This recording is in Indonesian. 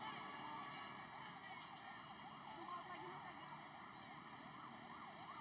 ya sekali lagi ini adalah gambar saat ini di wilayah jalan gatot subroto jakarta selatan